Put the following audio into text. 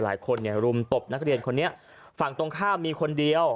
หลายคนเนี่ยรุมตบนักเรียนคนนี้ฝั่งตรงข้ามมีคนเดียว